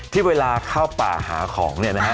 พี่เวลาเข้าป่าหาของ